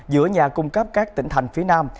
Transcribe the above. giữa nhà cung cấp các tỉnh thành phía nam